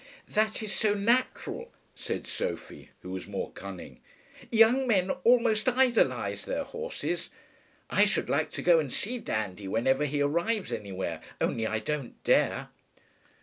"That is so natural," said Sophie, who was more cunning. "Young men almost idolize their horses. I should like to go and see Dandy whenever he arrives anywhere, only I don't dare!"